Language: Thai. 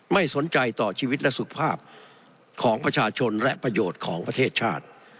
ไม่สนใจต่อชีวิตและสุขภาพของประชาชนและประโยชน์ของประเทศชาติ